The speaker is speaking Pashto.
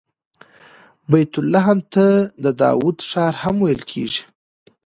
بیت لحم ته د داود ښار هم ویل کیږي.